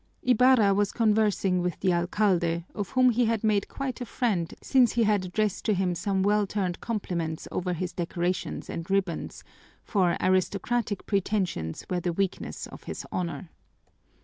Ibarra was conversing with the alcalde, of whom he had made quite a friend since he had addressed to him some well turned compliments over his decorations and ribbons, for aristocratic pretensions were the weakness of his Honor.